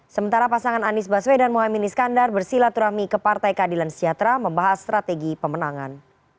sementara pasangan anies baswedan mohaimin iskandar bersilaturahmi ke partai keadilan sejahtera membahas strategi pemenangan